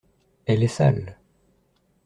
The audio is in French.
Elle est sale.